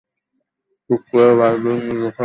চুপ কর বালবীর নিজেকে নিয়ন্ত্রণ করো।